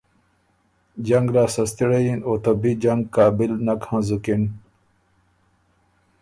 جنګ لاسته ستِړئ اِن، او ته بی جنګ قابل نک هنزُکِن۔